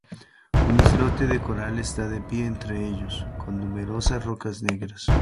Un islote de coral está de pie entre ellos, con numerosas rocas negras.